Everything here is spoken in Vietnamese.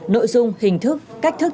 nội dung hình thức cách thức